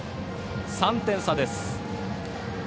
３点差です。